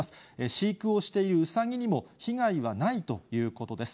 飼育をしているウサギにも被害はないということです。